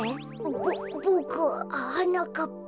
ボボクははなかっぱ。